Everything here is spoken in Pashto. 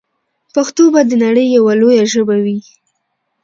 پښتو به د نړۍ یوه لویه ژبه وي.